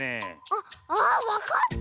あっああっわかった！